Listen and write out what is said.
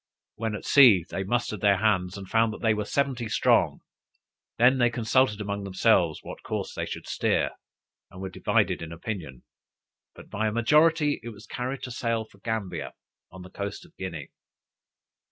When at sea, they mustered their hands, and found that they were seventy strong. They then consulted among themselves what course they should steer, and were divided in opinion; but by a majority it was carried to sail for Gambia, on the coast of Guinea.